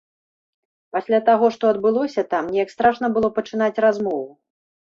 Пасля таго, што адбылося там, неяк страшна было пачынаць размову.